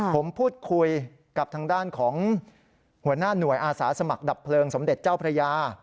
ผมพูดคุยกับทางด้านของหัวหน้าหน่วยอาสาสมัครดับเพลิงสมเด็จเจ้าพระยา